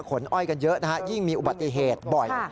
อ้อยกันเยอะนะฮะยิ่งมีอุบัติเหตุบ่อย